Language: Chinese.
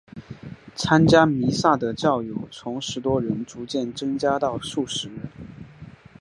参加弥撒的教友从十多人逐渐增加到数十人。